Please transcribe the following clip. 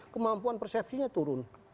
kemampuan persepsinya turun